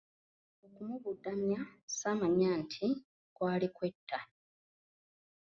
Okumubudamya saamanya nti kwali kwetta.